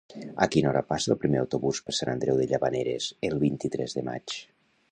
A quina hora passa el primer autobús per Sant Andreu de Llavaneres el vint-i-tres de maig?